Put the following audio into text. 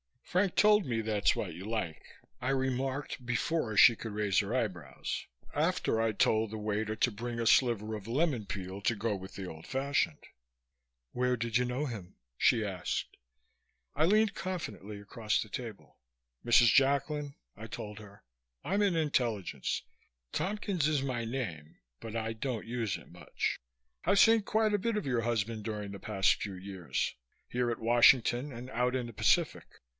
"Frank told me that's what you like," I remarked, before she could raise her eyebrows after I told the waiter to bring a sliver of lemon peel to go with the old fashioned. "Where did you know him?" she asked. I leaned confidently across the table. "Mrs. Jacklin," I told her, "I'm in intelligence. Tompkins is my name but I don't use it much. I've seen quite a bit of your husband during the past few years here at Washington and out in the Pacific.